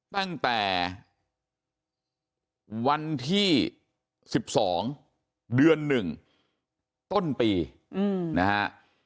ตั้งแต่วันที่๑๒เดือน๑ต้นปีนะฮะ